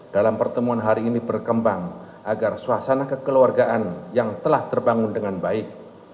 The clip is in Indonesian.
dalam pertemuan hari ini berkembang agar suasana kekeluargaan yang telah terbangun dengan baik